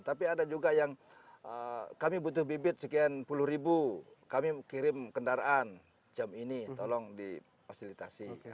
tapi ada juga yang kami butuh bibit sekian puluh ribu kami kirim kendaraan jam ini tolong difasilitasi